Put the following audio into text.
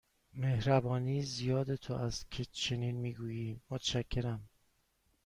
مهربانی زیاد تو است که چنین می گویی، متشکرم.